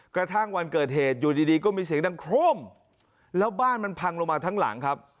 กระทั่งวันเกิดเหตุอยู่ดีก็มีเสียงดังโครมแล้วบ้านมันพังลงมาทั้งหลังครับ